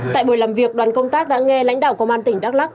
tại buổi làm việc đoàn công tác đã nghe lãnh đạo công an tỉnh đắk lắc